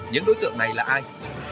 những đối tượng này là ai